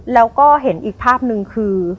แล้วก็เห็นอีกภาพหนึ่งคือ